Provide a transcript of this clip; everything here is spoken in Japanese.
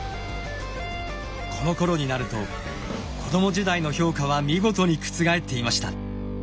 このころになると子ども時代の評価は見事に覆っていました。